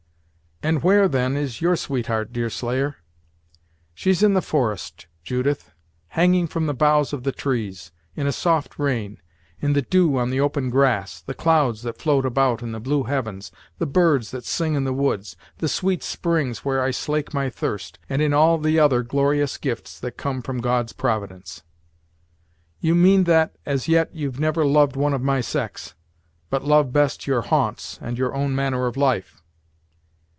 "And where, then, is your sweetheart, Deerslayer?" "She's in the forest, Judith hanging from the boughs of the trees, in a soft rain in the dew on the open grass the clouds that float about in the blue heavens the birds that sing in the woods the sweet springs where I slake my thirst and in all the other glorious gifts that come from God's Providence!" "You mean that, as yet, you've never loved one of my sex, but love best your haunts, and your own manner of life."